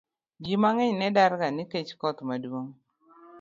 Ji mang'eny ne darga nikech koth maduong'